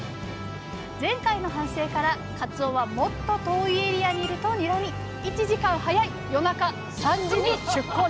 前回の反省からかつおはもっと遠いエリアにいるとにらみ１時間早い夜中３時に出港ですハハハハ。